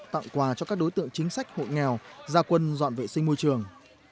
tặng quà cho các đối tượng chính sách hộ nghèo gia quân dọn vệ sinh môi trường